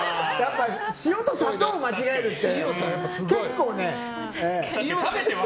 塩と砂糖を間違えるって結構ね。